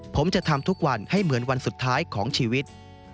ผมจะทำทุกวันให้เหมือนวันสุดท้ายของชีวิต